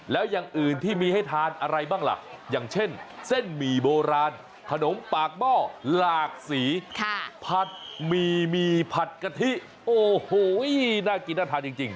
แล้วอย่างอื่นที่มีให้ทานอะไรบ้างล่ะอย่างเช่นเส้นหมี่โบราณขนมปากหม้อหลากสีผัดหมี่หมี่ผัดกะทิโอ้โหน่ากินน่าทานจริง